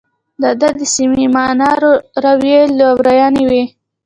د ده د صمیمانه رویې لورونې وې.